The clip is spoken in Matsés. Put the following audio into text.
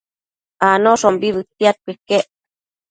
Anoshombi bëtiadquio iquec